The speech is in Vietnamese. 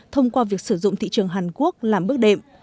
thông qua việc sử dụng thị trường hàn quốc làm bước đệm